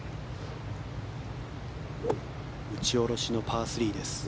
打ち下ろしのパー３です。